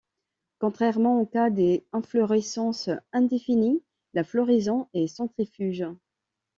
Contrairement au cas des inflorescences indéfinies, la floraison est centrifuge.